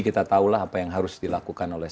kita tahulah apa yang harus dilakukan oleh